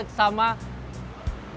dan bisa mendapatkan dompet dalam kemampuan